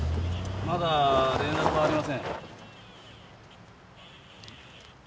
まだ連絡はありません。